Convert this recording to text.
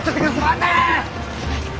待て！